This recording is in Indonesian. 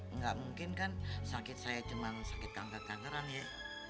enggak mungkin kan sakit saya cuma sakit kanker kankeran ya